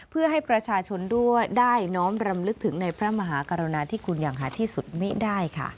เพื่อให้ประชาชนด้วยได้น้อมรำลึกถึงในพระมหากรุณาที่คุณอย่างหาที่สุดไม่ได้ค่ะ